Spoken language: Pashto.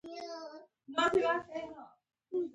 د نوې ټکنالوژۍ ترویج بشري قوې اړتیا کموله.